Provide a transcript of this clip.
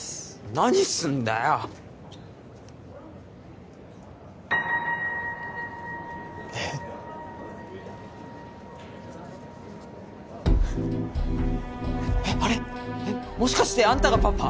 何すんだよっえっあれもしかしてあんたがパパ？